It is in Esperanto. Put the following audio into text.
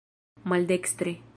maldekstre